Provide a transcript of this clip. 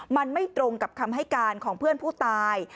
มันไม่ตรงกับคำให้การของเพื่อนผู้ตาย